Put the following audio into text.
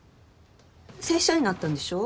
正社員になったんでしょ？